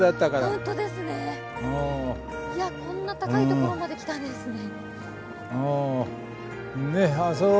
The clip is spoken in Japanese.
いやこんな高いところまで来たんですね。